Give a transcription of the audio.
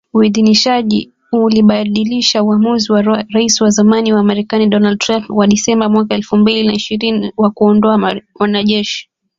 Uidhinishwaji ulibadilisha uamuzi wa Rais wa zamani wa Marekani Donald Trump wa Disemba mwaka elfu mbili na ishirini wa kuwaondoa wanajeshi